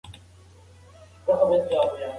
ما ته د لندن د ډاکتر خبرې را په یاد شوې.